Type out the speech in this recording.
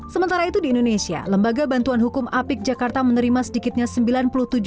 sementara itu di indonesia lembaga bantuan hukum apik jakarta menerima sedikitnya sembilan puluh tujuh orang